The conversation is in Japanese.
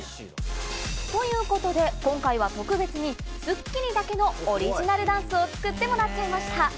ということで、今回は特別に『スッキリ』だけのオリジナルダンスを作ってもらっちゃいました。